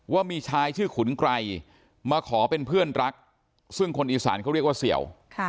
ว่ามีชายชื่อขุนไกรมาขอเป็นเพื่อนรักซึ่งคนอีสานเขาเรียกว่าเสี่ยว